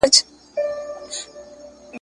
حقوق العباد د حقوق الله په څېر مهم دي.